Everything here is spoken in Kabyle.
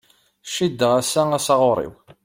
Ciddeɣ ass-a asaɣur-iw.